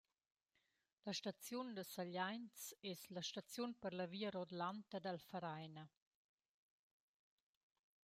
La staziun da Sagliains es la staziun per la via rodlanta dal Vereina.